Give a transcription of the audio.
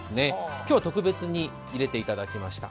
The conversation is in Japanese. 今日は特別に入れていただきました。